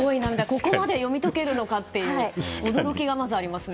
ここまで読み解けるのかという驚きが、まずありますね。